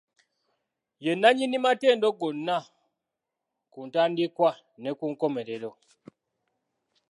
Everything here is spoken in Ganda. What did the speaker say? Ye nnanyini matendo gonna ku ntandikwa ne ku nkomerero.